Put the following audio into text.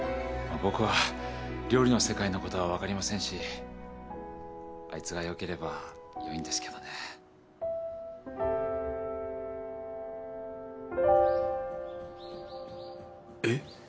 僕は料理の世界のことは分かりませんしあいつがよければよいんですけどねえッ？